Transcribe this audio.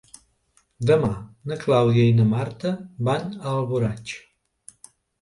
Demà na Clàudia i na Marta van a Alboraig.